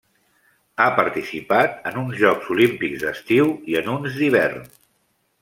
Ha participat en uns Jocs Olímpics d'estiu i en uns d'hivern.